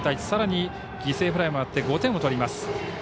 さらに犠牲フライもあって５点を取ります。